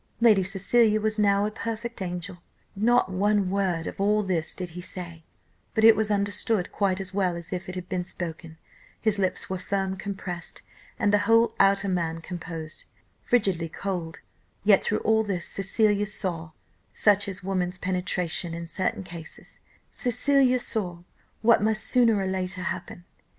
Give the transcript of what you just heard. Lady Cecilia was now a perfect angel. Not one word of all this did he say, but it was understood quite as well as if it had been spoken: his lips were firm compressed, and the whole outer man composed frigidly cold; yet through all this Cecilia saw such is woman's penetration in certain cases Cecilia saw what must sooner or later happen.